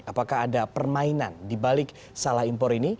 apakah ada permainan dibalik salah impor ini